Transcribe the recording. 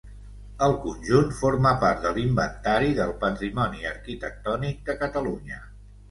El conjunt forma part de l'Inventari del Patrimoni Arquitectònic de Catalunya.